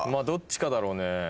・どっちかだろうね。